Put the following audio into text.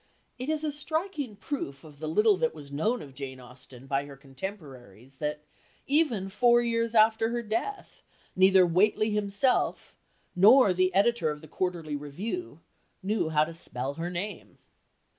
It is a striking proof of the little that was known of Jane Austen by her contemporaries that, even four years after her death, neither Whately himself, nor the editor of the Quarterly Review knew how to spell her name.